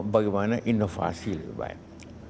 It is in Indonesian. bagaimana inovasi lebih baik